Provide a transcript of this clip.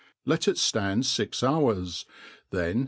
Let it ftand fix hours, thea